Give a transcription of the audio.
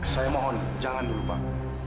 saya mohon jangan dulu pak